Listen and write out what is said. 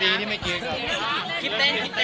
ดีที่ไม่กินก็ครับ